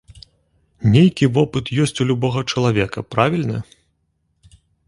Нейкі вопыт ёсць у любога чалавека, правільна?